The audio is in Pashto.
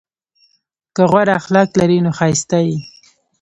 که غوره اخلاق لرې نو ښایسته یې!